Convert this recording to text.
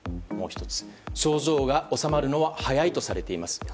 もう１つ、症状が治まるのは早いとされています。